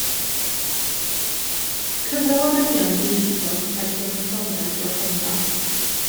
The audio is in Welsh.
Cyfrol o ganeuon dwyieithog gan y gyfansoddwraig o'r Rhondda.